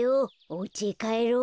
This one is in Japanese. おうちへかえろう。